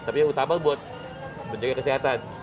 tapi yang utama buat menjaga kesehatan